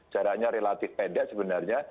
jaraknya relatif pendek sebenarnya